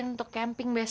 nanti kita bisa berhenti